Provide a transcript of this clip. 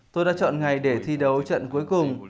tôi đã chọn ngày để thi đấu trận cuối cùng